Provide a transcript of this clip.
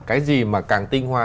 cái gì mà càng tinh hoa